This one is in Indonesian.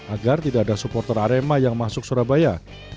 agar tidak ada supporter arema yang masuk surabaya